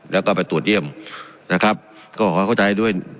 แล้วก็ไปตรวจเยี่ยมนะครับก็ขอเข้าใจด้วย